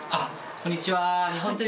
こんにちは。